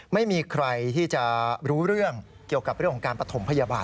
ไม่มีใครที่จะรู้เรื่องเกี่ยวกับเรื่องของการปฐมพยาบาล